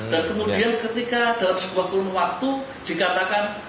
dan kemudian ketika dalam sebuah kurun waktu dikatakan